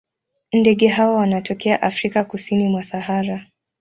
Ndege hawa wanatokea Afrika kusini mwa Sahara.